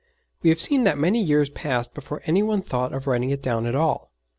We have seen that many years passed before any one thought of writing it down at all.